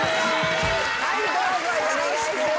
はいどうぞよろしく。